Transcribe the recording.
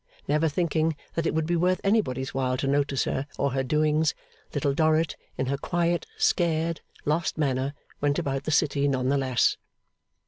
Never thinking that it would be worth anybody's while to notice her or her doings, Little Dorrit, in her quiet, scared, lost manner, went about the city none the less.